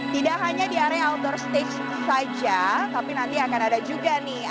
tidak hanya di area outdoor stage saja tapi nanti akan ada juga nih